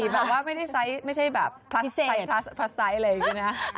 แบบว่าไม่ได้ไซส์ไม่ใช่แบบพลัสไซส์อะไรอย่างนี้นะ